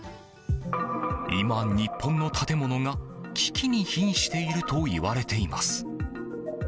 今、日本の建物が危機に瀕しているといわれています。